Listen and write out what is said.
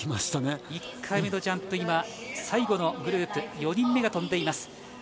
１回目のジャンプ最後のグループ４人目が飛んでいます。